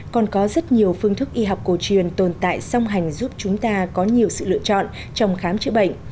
còn có rất nhiều phương thức y học cổ truyền tồn tại song hành giúp chúng ta có nhiều sự lựa chọn trong khám chữa bệnh